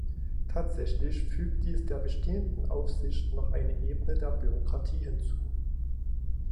Tatsächlich fügt dies der bestehenden Aufsicht noch eine Ebene der Bürokratie hinzu.